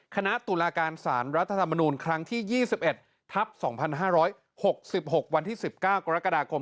คณะตุลาการสารรัฐธรรมนูลครั้งที่๒๑ทัพ๒๕๖๖วันที่๑๙กรกฎาคม